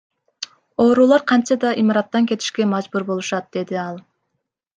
Оорулуулар кантсе да имараттан кетишке мажбур болушат, — деди ал.